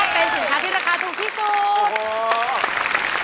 เป็นสินค้าที่ราคาถูกที่สุด